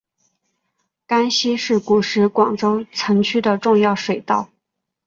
甘溪是古时广州城区的重要水道。